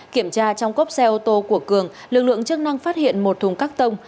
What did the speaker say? kiểm tra trong cốp xe ô tô của cường lực lượng chức năng phát hiện một thùng cắt tông